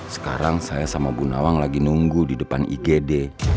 sekarang saya sama bu nawang lagi nunggu di depan igd